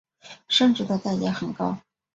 生殖的代价很高。